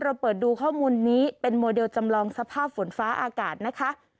เปิดดูข้อมูลนี้เป็นโมเดลจำลองสภาพฝนฟ้าอากาศนะคะ